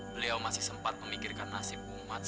beliau masih sempat memikirkan nasib umat